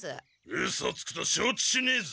うそつくとしょうちしねえぞ。